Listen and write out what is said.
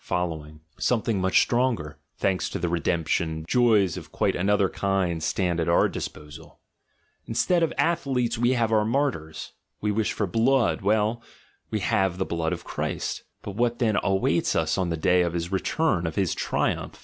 — some thing much stronger; thanks to the redemption, joys of quite another kind stand at our disposal; instead of athletes we have our martyrs; we wish for blood, well, we have the blood of Christ — but what then awaits us on the day of his return, of his triumph?